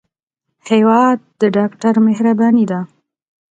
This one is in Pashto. هېواد د ډاکټر مهرباني ده.